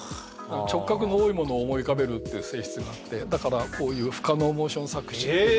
直角の多いものを思い浮かべるっていう性質があってだからこういう不可能モーションスゴい